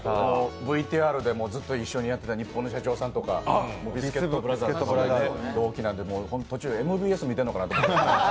ＶＴＲでもずっと一緒にやっていたニッポンの社長さんとかビスケットブラザーズとか同期なんで、ＭＢＳ見てんのかなと。